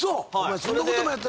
そんなこともやってんの？